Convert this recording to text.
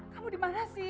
kamu dimana sih